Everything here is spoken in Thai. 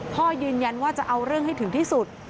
พ่อยืนยันว่าจะเอาเรื่องให้ถึงที่สุด